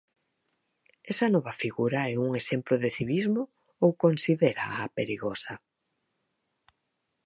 Esa nova figura é un exemplo de civismo ou considéraa perigosa?